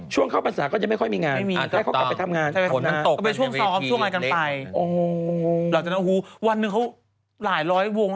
ช่วงเข้าฟันศาก็จะไม่ค่อยมีงาน